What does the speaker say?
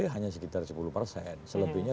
hanya sekitar sepuluh persen selebihnya